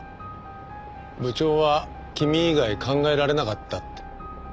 部長は君以外考えられなかったって。